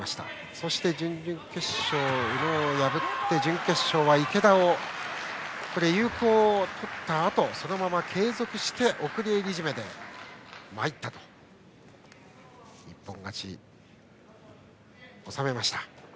そして、準々決勝で宇野を破って準決勝は池田に有効を取ったあとそのまま継続して送り襟絞めで一本勝ちを収めました。